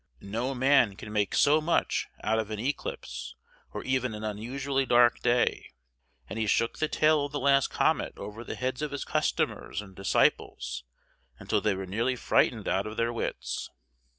No man can make so much out of an eclipse, or even an unusually dark day; and he shook the tail of the last comet over the heads of his customers and disciples until they were nearly frightened out of their wits.